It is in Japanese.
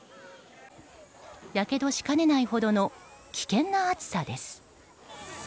やけどしかねないほどの危険な熱さです。